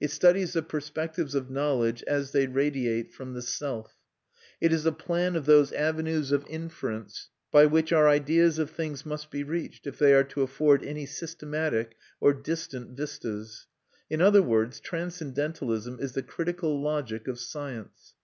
It studies the perspectives of knowledge as they radiate from the self; it is a plan of those avenues of inference by which our ideas of things must be reached, if they are to afford any systematic or distant vistas. In other words, transcendentalism is the critical logic of science.